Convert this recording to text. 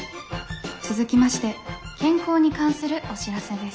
「続きまして健康に関するお知らせです」。